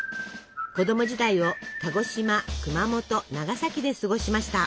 子供時代を鹿児島熊本長崎で過ごしました。